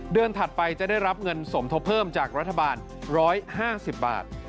ถัดไปจะได้รับเงินสมทบเพิ่มจากรัฐบาล๑๕๐บาท